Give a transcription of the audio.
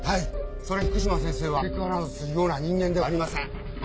それに福島先生はセクハラをするような人間ではありません。